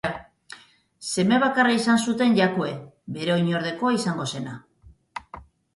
Seme bakarra izan zuten Jakue, bere oinordekoa izango zena.